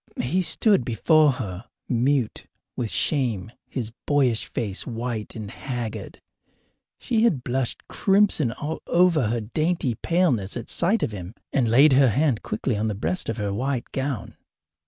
He stood before her mute with shame, his boyish face white and haggard. She had blushed crimson all over her dainty paleness at sight of him, and laid her hand quickly on the breast of her white gown.